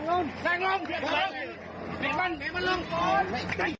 นั่งลงพี่ใจเย็น